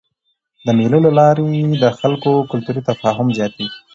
د مېلو له لاري د خلکو کلتوري تفاهم زیاتېږي.